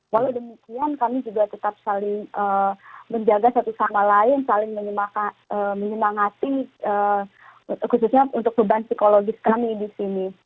walau demikian kami juga tetap saling menjaga satu sama lain saling menyemangati khususnya untuk beban psikologis kami di sini